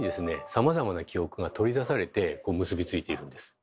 さまざまな記憶が取り出されて結びついているんです。